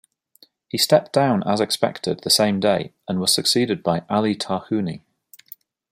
He stepped down as expected the same day and was succeeded by Ali Tarhouni.